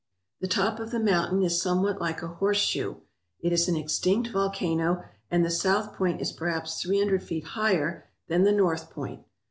The top of the mountain is somewhat like a horseshoe. It is an extinct volcano and the south point is perhaps three hundred feet higher than the north point.